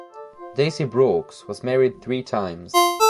Daisy Breaux was married three times.